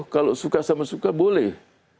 kalau suka sama suka boleh